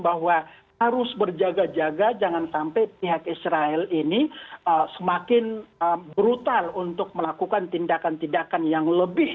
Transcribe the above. bahwa harus berjaga jaga jangan sampai pihak israel ini semakin brutal untuk melakukan tindakan tindakan yang lebih